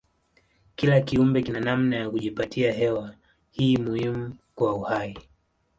Kila kiumbe kina namna ya kujipatia hewa hii muhimu kwa uhai.